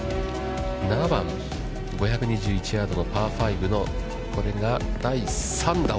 ７番、５２１ヤードのパー５、これが第３打。